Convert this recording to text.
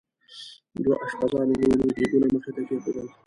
دوه اشپزانو لوی لوی دیګونه مخې ته کېښودل.